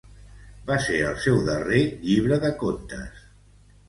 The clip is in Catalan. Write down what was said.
Va ser el seu darrer llibre de contes.